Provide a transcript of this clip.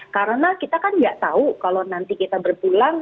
karena kita kan nggak tahu kalau nanti kita berpulang